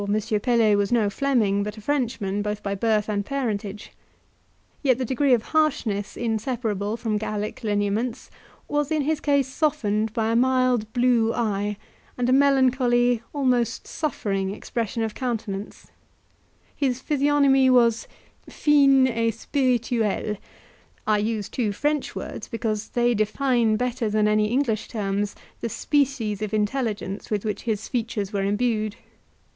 Pelet was no Fleming, but a Frenchman both by birth and parentage), yet the degree of harshness inseparable from Gallic lineaments was, in his case, softened by a mild blue eye, and a melancholy, almost suffering, expression of countenance; his physiognomy was "fine et spirituelle." I use two French words because they define better than any English terms the species of intelligence with which his features were imbued.